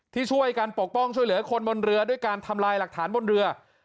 ที่ช่วยกันปกป้องช่วยเหลือคนบนเรือด้วยการทำลายหลักฐานบนเรือ